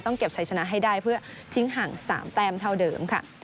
เก็บชัยชนะให้ได้เพื่อทิ้งห่าง๓แต้มเท่าเดิมค่ะ